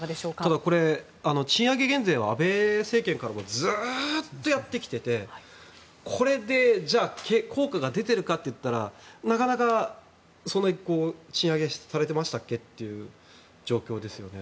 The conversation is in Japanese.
ただこれ、賃上げ減税は安倍政権からずっとやってきててこれで効果が出ているかといったら賃上げされてましたっけ？っていう状況ですよね。